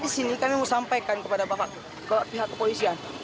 di sini kami mau sampaikan kepada pihak kepolisian